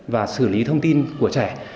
và xử lý thông tin của trẻ